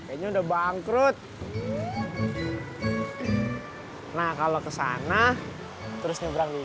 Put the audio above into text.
ini udah bangkrut nah kalau kesana terus